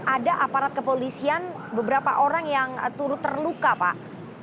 ada aparat kepolisian beberapa orang yang turut terluka pak